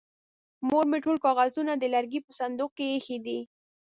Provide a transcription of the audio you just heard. مور مې ټول کاغذونه د لرګي په صندوق کې ايښې دي.